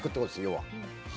要は。